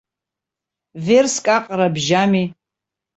Верск аҟара бжьами?